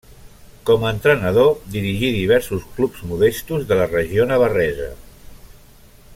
Com a entrenador dirigí diversos clubs modestos de la regió navarresa.